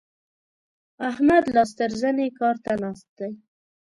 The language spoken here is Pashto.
احمد لاس تر زنې کار ته ناست دی.